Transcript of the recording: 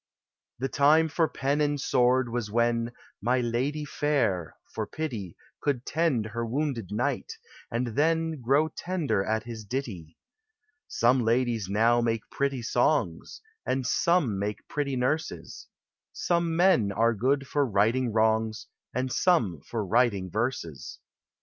The time for Pen and Sword was when « My ladye fayre " for pity Could tend her wounded knight, and then Grow tender at his ditty ! Some ladies now make pretty son And some make pretty nurses ; Some men are good for righting wrongs And some for writing verses.